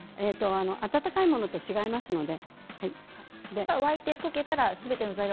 温かいものと違いますので。